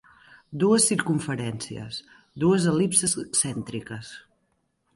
Dues circumferències, dues el·lipses excèntriques.